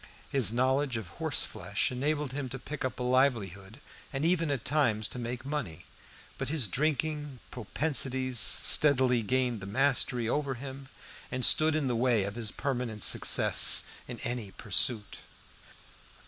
His knowledge of horse flesh enabled him to pick up a livelihood, and even at times to make money; but his drinking propensities steadily gained the mastery over him and stood in the way of his permanent success in any pursuit.